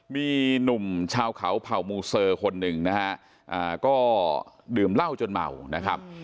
มีหนุ่มชาวเขาเผ่ามูเซอร์คนหนึ่งนะฮะก็ดื่มเหล้าจนเมานะครับ